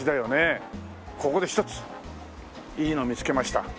ここでひとついいのを見つけました。